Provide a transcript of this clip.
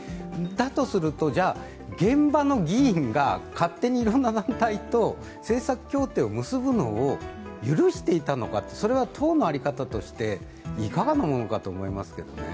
だとすると、じゃ現場の議員が勝手にいろんな団体と政策協定を結ぶのを許していたのか、それは党の在り方として、いかがなものかと思いますけどね。